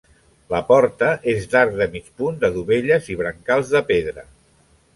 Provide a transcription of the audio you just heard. La porta és d'arc de mig punt de dovelles i brancals de pedra.